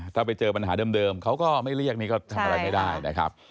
ถ้าไปเจอปัญหาเดิมเขาก็ไม่เรียกนี่ก็ทำอะไรไม่ได้นะครับ